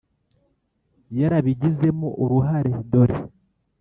yarabigizemo uruhare dore